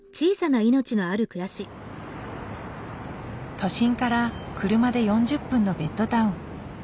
都心から車で４０分のベッドタウン。